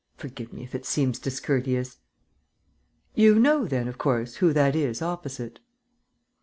"Forgive me if it seems discourteous.... You know, then, of course, who that is, opposite?"